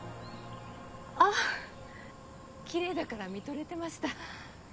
あキレイだから見とれてました。